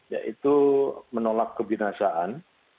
yaitu menolak kebinasaan